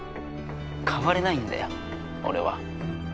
変われないんだよ俺は。